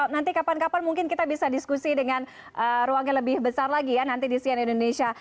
nanti kapan kapan mungkin kita bisa diskusi dengan ruang yang lebih besar lagi ya nanti di sian indonesia